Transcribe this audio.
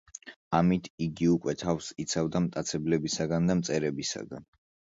ამით იგი უკვე თავს იცავდა მტაცებლებისგან და მწერებისგან.